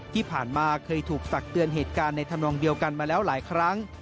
ที่ผ่านมาเคยถูกตักเตือนเหตุการณ์ในธรรมนองเดียวกันมาแล้วหลายครั้ง